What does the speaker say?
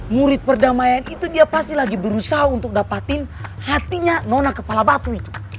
murid perdamaian itu dia pasti lagi berusaha untuk dapatin hatinya nona kepala batu